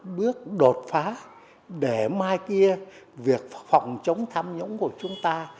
bước đột phá để mai kia việc phòng chống tham nhũng của chúng ta